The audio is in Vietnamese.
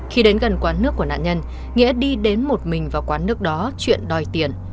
khi đến gần quán nước của nạn nhân nghĩa đi đến một mình vào quán nước đó chuyện đòi tiền